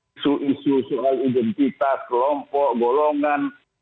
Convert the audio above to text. isu isu soal identitas kelompok golongan